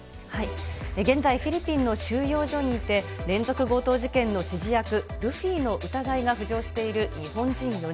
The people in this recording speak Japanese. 現在、フィリピンの収容所にいて、連続強盗事件の指示役、ルフィの疑いが浮上している日本人４人。